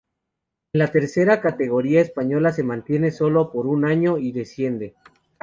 En la tercera categoría española se mantiene sólo por un año y desciende.